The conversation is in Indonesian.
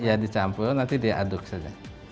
ya dicampur nanti diaduk saja